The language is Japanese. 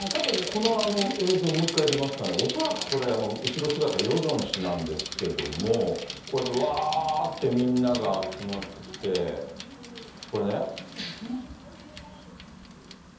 この映像、もう一回出ますかね、恐らくこれ、後ろ姿、ヨジョン氏なんですけれども、こうやってわーってみんなが集まっそうですね。